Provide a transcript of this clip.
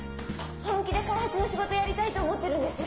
本気で開発の仕事やりたいと思ってるんです。